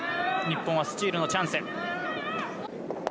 日本はスチールのチャンス。